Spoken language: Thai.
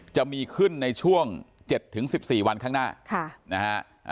จะมีขึ้นในช่วง๗๑๔วันข้างหน้านะฮะ